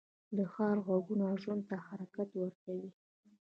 د ښار غږونه ژوند ته حرکت ورکوي